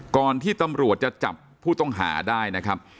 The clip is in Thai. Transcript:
ก่อนที่ตำรวจจะจับผู้ต้องหาได้นะครับ